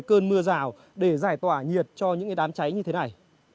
cơn mưa rào để giải tỏa nhiệt cho những đám cháy như thế này